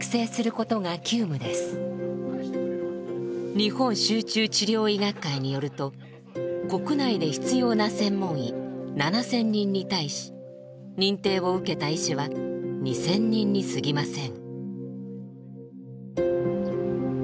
日本集中治療医学会によると国内で必要な専門医７，０００人に対し認定を受けた医師は２，０００人にすぎません。